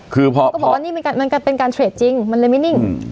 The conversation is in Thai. ก็บอกว่านี่มันเป็นการเทรดจริงมันไม่นิ่ง